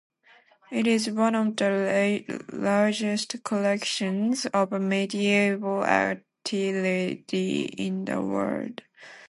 It is one of the largest collections of medieval artillery in the world.